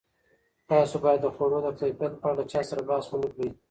تاسو باید د خوړو د کیفیت په اړه له چا سره بحث ونه کړئ.